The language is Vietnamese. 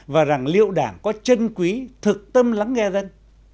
và rằng liệu đảng có chân quý thực tâm lắng nghe dân